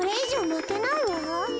まけないわ。